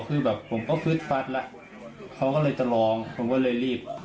คือแบบผมก็ฟืดฟัดแล้วเขาก็เลยจะร้องผมก็เลยรีบ